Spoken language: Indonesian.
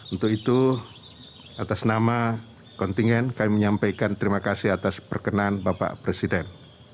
untuk itu atas nama kontingen kami menyampaikan terima kasih atas perkenan bapak presiden